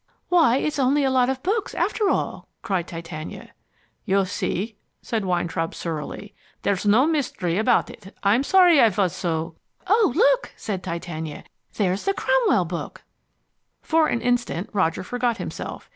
"Why, it's only a lot of books, after all," cried Titania. "You see," said Weintraub surlily, "there's no mystery about it. I'm sorry I was so " "Oh, look!" said Titania; "There's the Cromwell book!" For an instant Roger forgot himself.